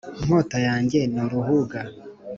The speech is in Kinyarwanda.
inkota yanjye ni uruhuga,